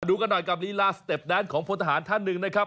ดูกันหน่อยกับลีลาสเต็ปแดนของพลทหารท่านหนึ่งนะครับ